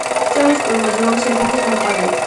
სიონისტური მოძრაობის ერთ-ერთი ხელმძღვანელი.